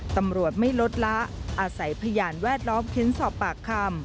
ตำรวจไม่ลดละอาศัยพยานแวดล้อมเค้นสอบปากคำ